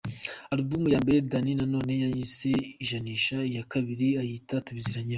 Album ya mbere Danny Nanone yayise ’Ijanisha’, iya kabiri ayita ’Tubiziranyeho’.